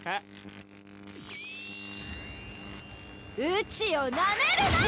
うちをなめるな！